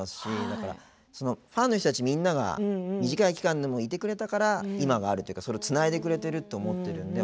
だから、ファンの人たちみんなが短い期間でもいてくれたから今があるというかそれを、つないでくれてると思っているので。